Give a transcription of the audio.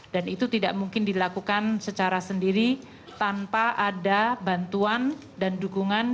dan itu tidak mungkin dilakukan secara sendiri tanpa ada bantuan dan dukungan